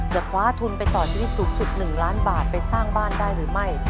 คว้าทุนไปต่อชีวิตสูงสุด๑ล้านบาทไปสร้างบ้านได้หรือไม่